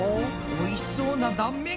おいしそうな断面。